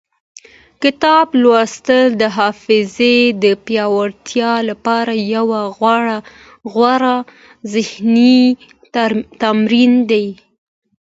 کتاب لوستل د حافظې د پیاوړتیا لپاره یو غوره ذهني تمرین دی.